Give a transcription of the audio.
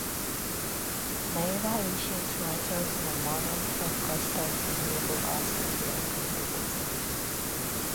Neither ancient writers nor modern folk-custom enable us to fill in the details.